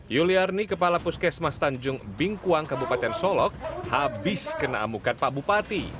yuliarni kepala puskesmas tanjung bingkuang kabupaten solok habis kena amukan pak bupati